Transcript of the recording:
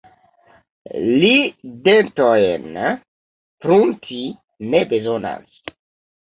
Li dentojn prunti ne bezonas.